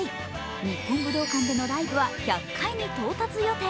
日本武道館でのライブは１００回に到達予定。